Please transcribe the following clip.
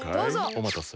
おまたせ。